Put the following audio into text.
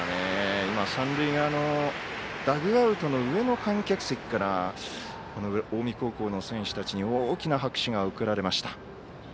三塁側のダグアウトの上の観客席から近江高校の選手たちに大きな拍手が送られました。